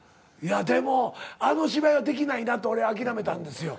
でもあの芝居はできないなって俺諦めたんですよ。